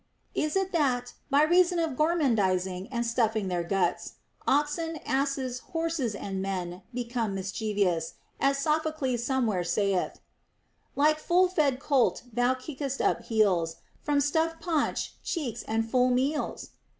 It is that by reason of gormandizing and stuff ing their guts oxen, asses, horses, and men become mis chievous, as Sophocles somewhere saith, Like full fed colt tliou kickest up heels, From stuffed paunch, cheeks, and full meals